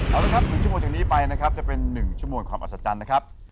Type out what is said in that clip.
เอาละครับ๑ชั่วโมงจากนี้ไปนะครับจะเป็น๑ชั่วโมงความอัศจรรย์นะครับ